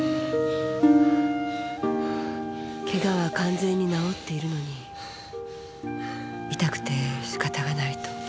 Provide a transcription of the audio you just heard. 怪我は完全に治っているのに痛くて仕方がないと。